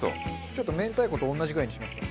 ちょっと明太子と同じぐらいにしました。